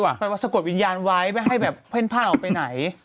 หมายว่าสะกดวิญญาณไว้ไม่ให้แบบเพ่นพลาดออกไปไหน